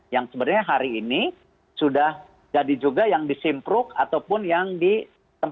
yang sebenarnya hari ini sudah jadi juga yang di simpruk ataupun yang di tempat